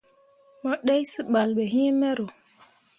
Mo ɗai seɓal ɓe iŋ mero.